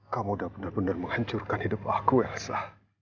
kamu udah benar benar menghancurkan hidup aku elsa